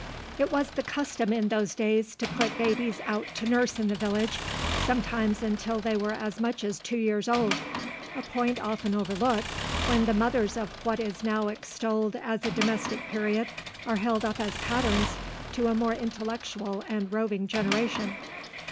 It was the custom in those days to put babies out to nurse in the village, sometimes until they were as much as two years old, a point often overlooked when the mothers of what is now extolled as a domestic period are held up as patterns to a more intellectual and roving generation.